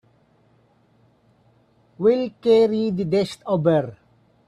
We'll carry the desk over.